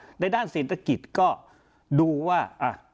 ในด้านเศรษฐกิจก็ดูว่า